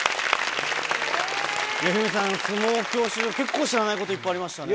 ヒロミさん、相撲教習所、結構、知らないこといっぱいありましたね。